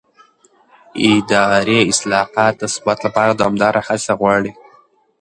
اداري اصلاحات د ثبات لپاره دوامداره هڅه غواړي